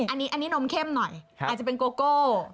อันนี้นมเข้มหน่อยอาจจะเป็นโกโก้